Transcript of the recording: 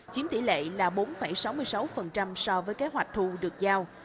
chiếm tỷ lệ là bốn sáu mươi sáu so với kế hoạch thu được giao